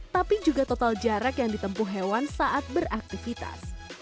tapi juga total jarak yang ditempu hewan saat beraktivitas